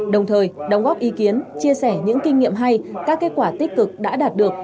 đồng thời đóng góp ý kiến chia sẻ những kinh nghiệm hay các kết quả tích cực đã đạt được